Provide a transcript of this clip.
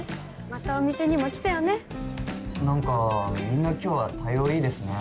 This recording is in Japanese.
またお店にも来てよねなんかみんな今日は対応いいですね